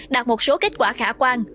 đạt một số kết quả khả quan